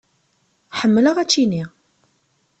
Ḥemmleɣ ačini.